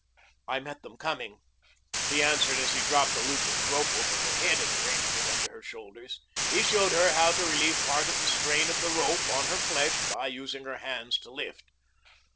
"I met them coming," he answered as he dropped the loop of the rope over her head and arranged it under her shoulders. He showed her how to relieve part of the strain of the rope on her flesh by using her hands to lift.